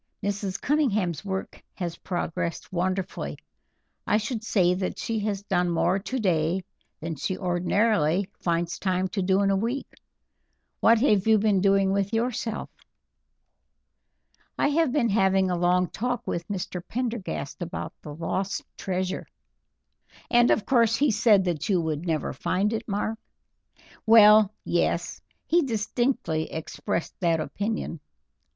Mrs. Cunningham's work has progressed wonderfully. I should say that she has done more today than she ordinarily finds time to do in a week. What have you been doing with yourself?" "I have been having a long talk with Mr. Prendergast about the lost treasure." "And of course he said that you would never find it, Mark?" "Well, yes, he distinctly expressed that opinion."